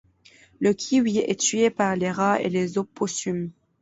Le kiwi est tué par les rats et les opossums.